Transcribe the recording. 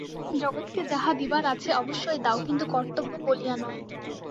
জগৎকে যাহা দিবার আছে অবশ্যই দাও, কিন্তু কর্তব্য বলিয়া নয়।